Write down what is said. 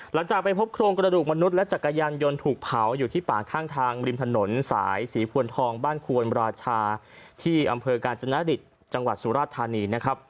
หลังจากไปพบโครงกระดูกมนุษย์และจักรยานยนต์ถูกเผาอยู่ที่ป่าข้างทางริมถนนสายศรีพวนทองบ้านควรราชาที่อำเภอกาญจนฤทธิ์จังหวัดสุราชธานีนะครับ